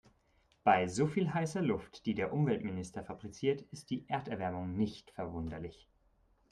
Bei so viel heißer Luft, die der Umweltminister fabriziert, ist die Erderwärmung nicht verwunderlich.